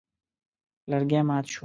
لرګی مات شو.